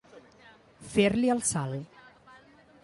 Fer-li el salt.